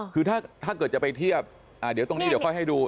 คือถ้าเกิดจะไปเทียบเดี๋ยวตรงนี้เดี๋ยวค่อยให้ดู